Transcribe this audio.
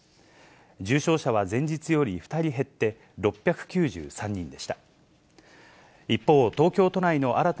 重症者は前日より２人減って６９３人でした。